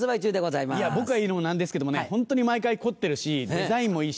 いや僕が言うのも何ですけどもホントに毎回凝ってるしデザインもいいしね